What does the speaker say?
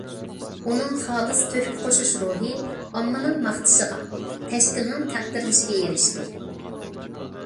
ئۇنىڭ خالىس تۆھپە قوشۇش روھى ئاممىنىڭ ماختىشىغا، تەشكىلنىڭ تەقدىرلىشىگە ئېرىشتى.